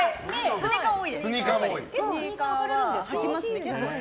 スニーカーは結構履きますね。